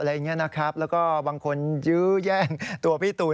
และบางคนแย่งตัวพี่ตูน